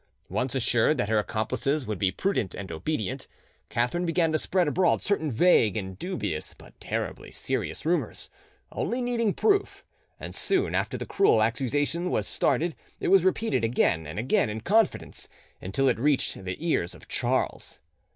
Once assured that her accomplices would be prudent and obedient, Catherine began to spread abroad certain vague and dubious but terribly serious rumours, only needing proof, and soon after the cruel accusation was started it was repeated again and again in confidence, until it reached the ears of Charles.